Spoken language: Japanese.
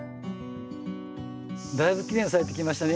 だいぶきれいに咲いてきましたね